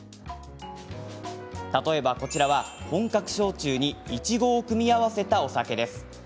例えば、こちらは本格焼酎にいちごを組み合わせたお酒です。